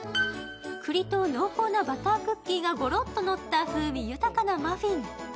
栗と濃厚なバタークッキーがごろっとのった風味豊かなマフィン。